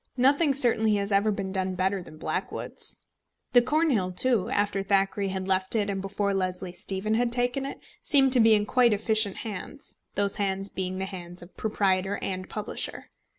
Nothing certainly has ever been done better than Blackwood's. The Cornhill, too, after Thackeray had left it and before Leslie Stephen had taken it, seemed to be in quite efficient hands, those hands being the hands of proprietor and publisher.